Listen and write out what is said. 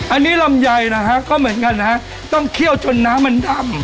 อันนี้ลำไยนะฮะก็เหมือนกันนะฮะต้องเคี่ยวจนน้ำมันดำ